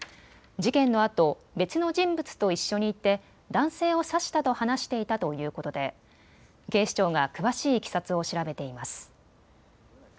事件のあと別の人物と一緒にいて男性を刺したと話していたということで警視庁が詳しいいきさつを調べています。